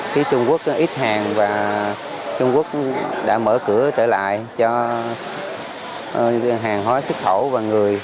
phía trung quốc ít hàng và trung quốc đã mở cửa trở lại cho hàng hóa xuất khẩu và người